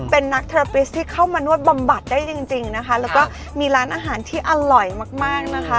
เป็นนักเทราฟิสที่เข้ามานวดบำบัดได้จริงจริงนะคะแล้วก็มีร้านอาหารที่อร่อยมากมากนะคะ